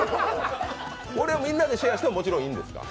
これ、みんなでシェアしてもいいんですか？